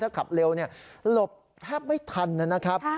ขับเร็วหลบแทบไม่ทันนะครับ